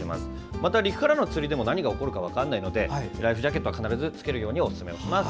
また陸からの釣りでも何が起こるか分からないのでライフジャケットは必ず着けるようにおすすめします。